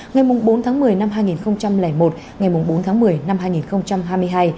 ngày bốn tháng một mươi năm hai nghìn một ngày bốn tháng một mươi năm hai nghìn hai mươi hai